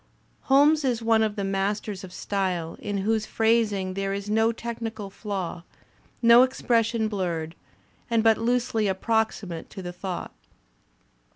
Holmes is one of the masters of style in whose phrasiag there is no technical flaw, no expression blurred and but loosely approximate to the thought.